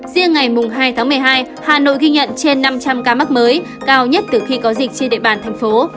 riêng ngày hai tháng một mươi hai hà nội ghi nhận trên năm trăm linh ca mắc mới cao nhất từ khi có dịch trên địa bàn thành phố